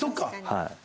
はい。